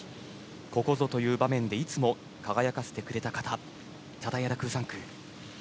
ここぞという場面でいつも輝かせてくれた形チャタンヤラクーサンクー。